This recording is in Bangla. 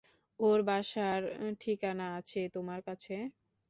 ওর বাসার ঠিকানা আছে তোমার কাছে?